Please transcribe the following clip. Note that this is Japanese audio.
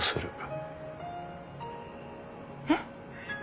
えっ？